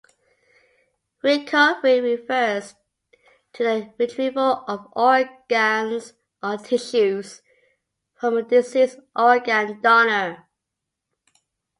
"Recovery" refers to the retrieval of organs or tissues from a deceased organ donor.